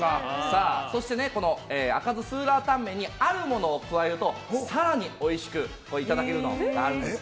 そして赤酢酸辣湯麺にあるものを加えると更においしくいただけるものがあるんです。